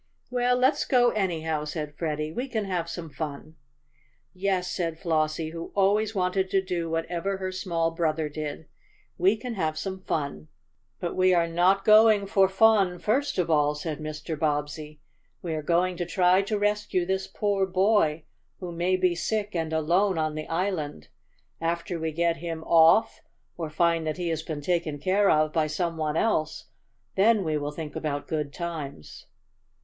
"Well, let's go anyhow," said Freddie. "We can have some fun!" "Yes," said Flossie, who always wanted to do whatever her small brother did, "we can have some fun!" "But we are not going for fun first of all," said Mr. Bobbsey. "We are going to try to rescue this poor boy, who may be sick and alone on the island. After we get him off, or find that he has been taken care of by some one else, then we will think about good times.